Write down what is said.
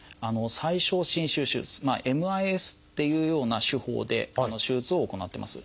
最小侵襲手術ＭＩＳっていうような手法で手術を行ってます。